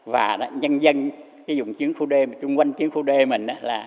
và nhân dân dùng chiến khu d trung quanh chiến khu d mình